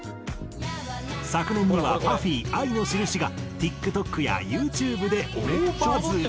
昨年にはＰＵＦＦＹ『愛のしるし』がＴｉｋＴｏｋやＹｏｕＴｕｂｅで大バズり！